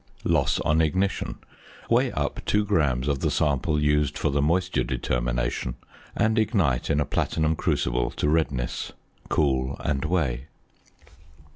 ~Loss on Ignition.~ Weigh up 2 grams of the sample used for the moisture determination, and ignite in a platinum crucible to redness, cool, and weigh.